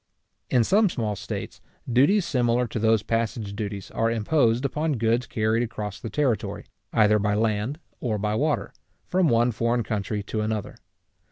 In some small states, duties similar to those passage duties are imposed upon goods carried across the territory, either by land or by water, from one foreign country to another.